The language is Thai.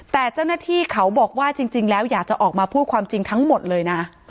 แต่เจ้าหน้าที่เขาบอกว่าจริงแล้วอยากจะออกมาพูดความจริงทั้งหมดเลยนะ